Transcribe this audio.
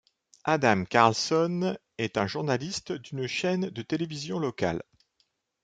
Adam Carlson est un journaliste d'une chaîne de télévision locale.